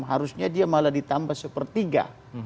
harusnya dia malah ditambah sepertiga